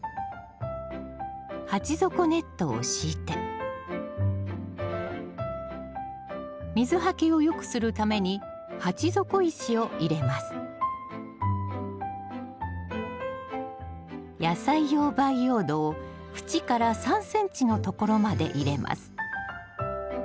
鉢底ネットを敷いて水はけを良くするために鉢底石を入れます野菜用培養土を縁から３ｃｍのところまで入れます。